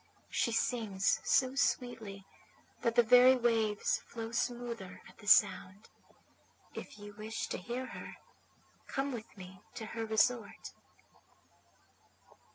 She sings so sweetly that the very waves flow smoother at the sound. If you wish to hear her come with me to her resort.'